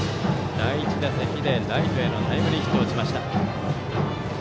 第１打席でライトへのタイムリーヒットを打ちました。